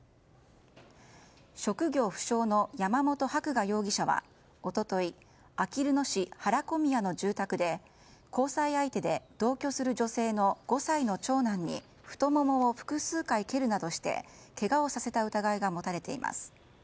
職業不詳の山本伯画容疑者は一昨日あきる野市原小宮の住宅で交際相手で同居する女性の５歳の長男に太ももを複数回蹴るなどしてけがをさせた疑いが持たれています。